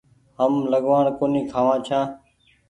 هم لڳوآڻ ڪونيٚ کآوآن ڇآن